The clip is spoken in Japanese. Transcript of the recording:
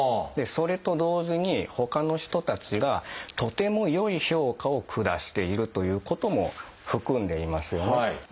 それと同時にほかの人たちがとても良い評価を下しているということも含んでいますよね。